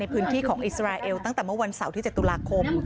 พื้นที่ของอิสราเอลตั้งแต่เมื่อวันเสาร์ที่๗ตุลาคม